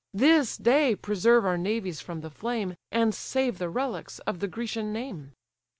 This day preserve our navies from the flame, And save the relics of the Grecian name."